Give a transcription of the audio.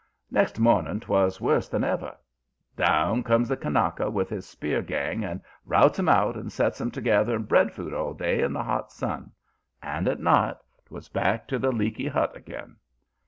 "Next morning 'twas worse than ever. Down comes the Kanaka with his spear gang and routs 'em out and sets 'em to gathering breadfruit all day in the hot sun. And at night 'twas back to the leaky hut again.